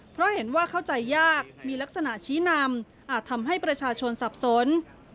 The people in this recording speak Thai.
เพราะเห็นว่าเข้าใจยากมีลักษณะชี้นำอาจทำให้ประชาชนสับสน